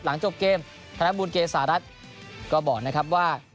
หลังจบเกมธนบุญเกษารัฐก็บอกนะครับว่า